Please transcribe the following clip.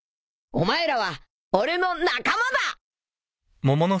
お前らは俺の仲間だ！